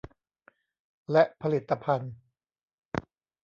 และผลิตภัณฑ์